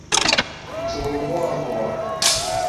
Choo mboa mboa